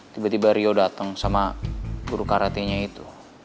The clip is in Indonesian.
tiba tiba rio dateng sama guru karate nya itu